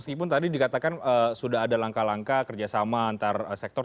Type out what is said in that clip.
meskipun tadi dikatakan sudah ada langkah langkah kerjasama antar sektor